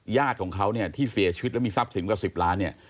ญาติของเขาเนี่ยที่เสียชีวิตแล้วมีทรัพย์สินกว่า๑๐ล้านเนี่ย